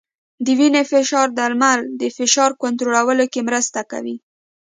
د وینې فشار درمل د فشار کنټرول کې مرسته کوي.